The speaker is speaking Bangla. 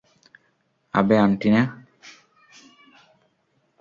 আবে আন্টি না।